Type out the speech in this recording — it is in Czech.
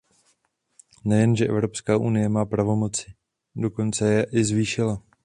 Nejen že Evropská unie má pravomoci, dokonce je i zvýšila.